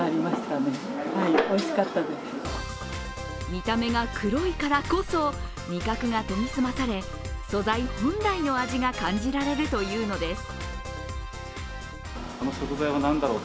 見た目が黒いからこそ味覚が研ぎ澄まされ素材本来の味が感じられるというのです。